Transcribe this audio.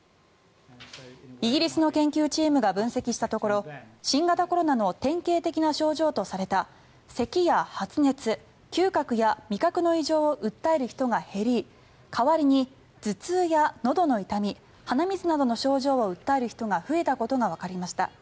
イギリスの研究チームが分析したところ新型コロナの典型的な症状とされたせきや発熱、嗅覚や味覚の異常を訴える人が減り代わりに頭痛やのどの痛み鼻水などの症状を訴える人が増えたことがわかりました。